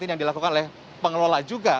yang dilakukan oleh pengelola juga